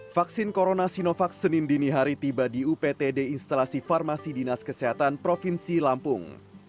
vaksin corona sinovac senin dinihari tiba di uptd instalasi farmasi dinas kesehatan provinsi lampung